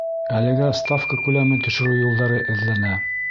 Әлегә ставка күләмен төшөрөү юлдары эҙләнә.